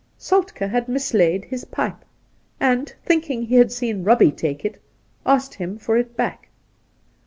Soltke had mislaid his pipe, and, thinking he had seen Robbie take it, asked him for it back.